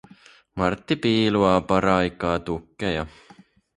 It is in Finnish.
Martti piiluaa paraikaa tukkeja.